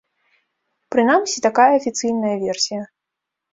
Прынамсі, такая афіцыйная версія.